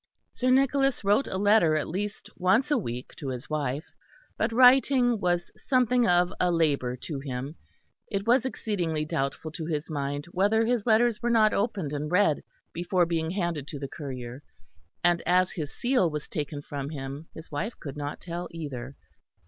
Sir Nicholas wrote a letter at least once a week to his wife; but writing was something of a labour to him; it was exceedingly doubtful to his mind whether his letters were not opened and read before being handed to the courier, and as his seal was taken from him his wife could not tell either.